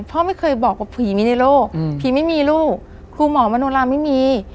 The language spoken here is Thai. พ่อไม่เคยบอกว่าผีมีในโลกผีไม่มีลูกครูหมอมโนราไม่มี